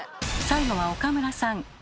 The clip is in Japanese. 最後は岡村さん。